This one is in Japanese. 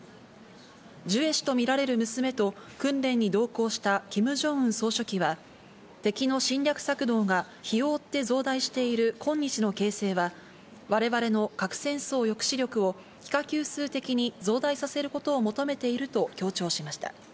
ジュエ氏と見られる娘と訓練に同行したキム・ジョンウン総書記は、敵の侵略策動が日を追って増大している今日の形勢は、我々の核戦争抑止力を幾何級数的に増大させることを求めていると強調しました。